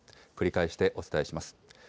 繰り返してお伝えします。